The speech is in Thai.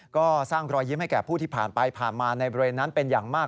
ก็สร้างรอยยิ้มให้แก่ผู้ที่ผ่านไปผ่านมาในบริเวณนั้นเป็นอย่างมาก